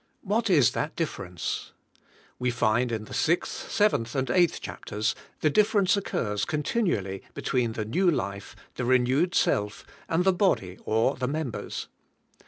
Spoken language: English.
What is that difference? We find in the 6th, 7th and 8th chap ters the difference occurs continually between the new life, the renewed self, and the body or the mem bers.